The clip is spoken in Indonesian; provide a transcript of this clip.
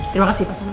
terima kasih pak salam